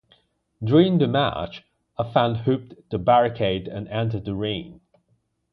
During the match, a fan hopped the barricade and entered the ring.